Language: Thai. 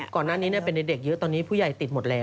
ก่อนหน้านี้เป็นเด็กเยอะตอนนี้ผู้ใหญ่ติดหมดแล้ว